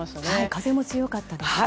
風も強かったですね。